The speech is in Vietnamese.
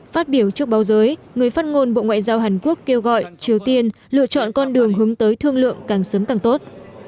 phát biểu trước báo giới người phát ngôn bộ ngoại giao hàn quốc kêu gọi triều tiên lựa chọn con đường hướng tới thương lượng càng sớm càng tốt